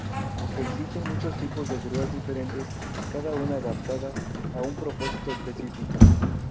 Existen muchos tipos de grúas diferentes, cada una adaptada a un propósito específico.